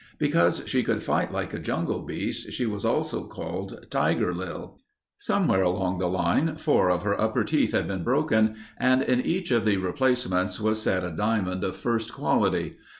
Because she could fight like a jungle beast, she was also called Tiger Lil. Somewhere along the line, four of her upper teeth had been broken and in each of the replacements was set a diamond of first quality.